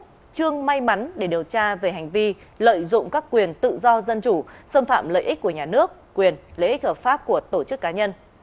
trương may mắn để điều tra về hành vi lợi dụng các quyền tự do dân chủ xâm phạm lợi ích của nhà nước quyền lợi ích hợp pháp của tổ chức cá nhân